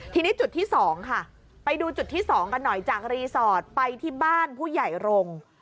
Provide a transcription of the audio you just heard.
ทีนี้จุดที่๒ค่ะไปดูจุดที่๒กันหน่อยจากรีสอร์ทไปที่บ้านผู้ใหญ่รงค์